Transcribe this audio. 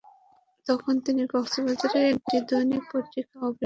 তখন তিনি কক্সবাজারের একটি দৈনিক পত্রিকা অফিসে সাংবাদিকদের সঙ্গে কথা বলছিলেন।